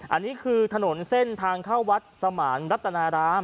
อันนี้คือถนนเส้นทางเข้าวัดสมานรัตนาราม